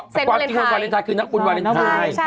อ๋อจริงวาเลนไทยคือนักคุณวาเลนไทย